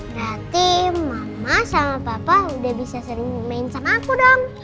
berarti mama sama papa udah bisa sering main sama aku dong